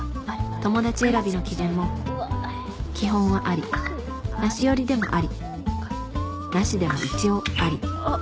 友達選びの基準も基本はアリナシ寄りでもアリナシでも一応アリあっ